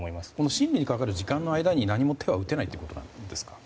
審理にかかる時間の間に何も手は打てないということなんですか？